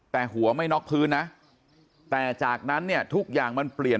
แต่หัวไม่น็อกพื้นนะแต่จากนั้นเนี่ยทุกอย่างมันเปลี่ยน